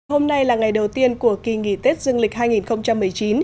hôm nay là ngày đầu tiên của kỳ nghỉ tết dương lịch hai nghìn một mươi chín